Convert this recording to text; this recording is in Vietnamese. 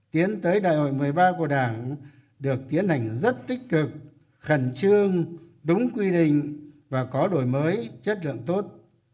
tiến tới đại hội một mươi ba của đảng được tiến hành rất tích cực khẩn trương đúng quy định và có đổi mới chất lượng tốt